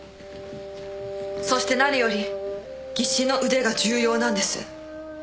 そして何より技師の腕が重要なんです。